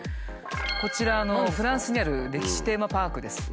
こちらフランスにある歴史テーマパークです。